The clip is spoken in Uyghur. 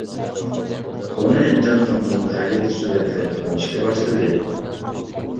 كونا ئەنجان تامدىن غەلىتە سۈرەتلەر كۆرۈنۈشكە باشلىدى.